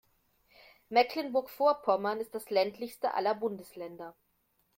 Mecklenburg-Vorpommern ist das ländlichste aller Bundesländer.